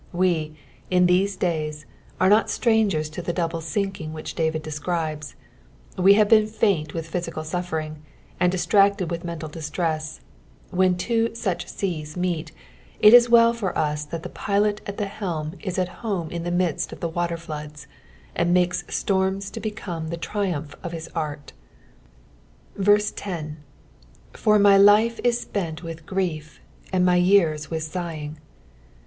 We, in these days, are not strangers to the double sinking which J>arid describes ; we have been faint with physical suffering, and distracted with imental distress : when two such bcsb meet, it is welt for us that the Pilot at the helm is at home in the midEt of the watetfloods, and makes atoima to liecome .the triutnph of his art. 10. " Aiw my life m tpent wUh grief, and my yean frith tighing."